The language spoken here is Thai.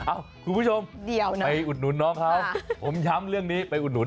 คุณผู้ชมไปอุดหนุนน้องเขาผมย้ำเรื่องนี้ไปอุดหนุน